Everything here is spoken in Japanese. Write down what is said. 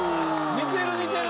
似てる似てる。